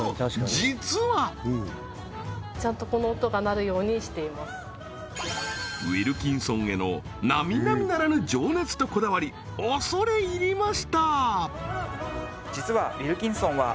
実はウィルキンソンへのなみなみならぬ情熱とこだわり恐れ入りました！